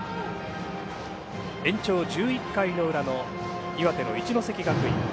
延長１１回の裏の岩手の一関学院。